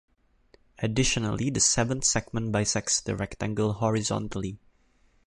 Additionally, the seventh segment bisects the rectangle horizontally.